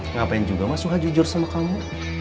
ngapain juga mas suka jujur sama kamu